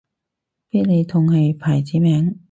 必理痛係牌子名